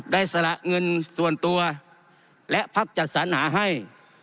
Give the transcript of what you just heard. สละเงินส่วนตัวและพักจัดสรรหาให้